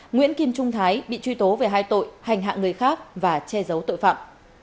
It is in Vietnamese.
nguyễn kim trung thái bị truy tố về hai tội hành hạ người khác và che giấu tội phạm